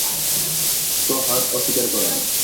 প্রহ্লাদ অস্বীকার করেন।